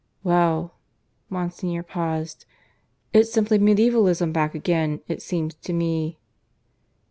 "Well!" Monsignor paused. "It's simply medievalism back again, it seems to me."